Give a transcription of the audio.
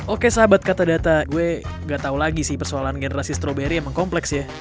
oke sahabat katadata gue gak tau lagi sih persoalan generasi stroberi emang kompleks ya